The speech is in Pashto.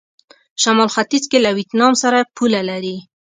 شمال ختيځ کې له ویتنام سره پوله لري.